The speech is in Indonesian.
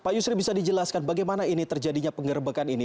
pak yusri bisa dijelaskan bagaimana ini terjadinya penggerbekan ini